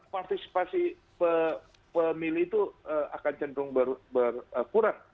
partisipasi pemilih itu akan cenderung berkurang